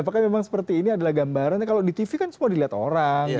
apakah memang seperti ini adalah gambarannya kalau di tv kan semua dilihat orang